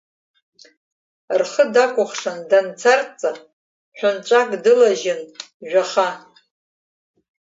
Рхы дакәыхшан данҭарҵа, ҳәынҵәак дылажьын жәаха.